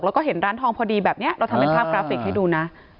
แล้วก็เห็นร้านทองพอดีแบบนี้เราทำเป็นภาพกราฟิกให้ดูนะ